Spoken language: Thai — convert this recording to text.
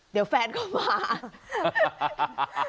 เดี๋ยวแฟนเขามา